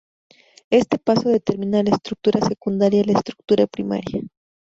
Este paso determina a la estructura secundaria a la estructura primaria.